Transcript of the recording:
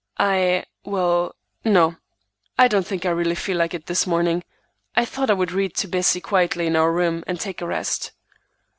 "I—well, no, I don't think I really feel like it this morning. I thought I would read to Bessie quietly in our room, and take a rest."